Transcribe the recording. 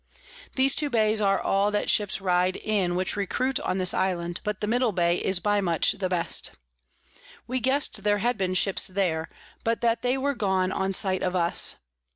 These two Bays are all that Ships ride in which recruit on this Island, but the middle Bay is by much the best. We guess'd there had been Ships there, but that they were gone on sight of us.